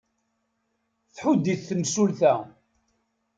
Tḥudd-it temsulta.